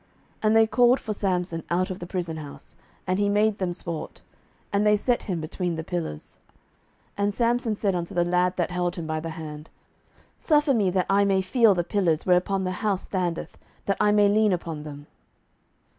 And they called for Samson out of the prison house; and he made them sport: and they set him between the pillars. 07:016:026 And Samson said unto the lad that held him by the hand, Suffer me that I may feel the pillars whereupon the house standeth, that I may lean upon them.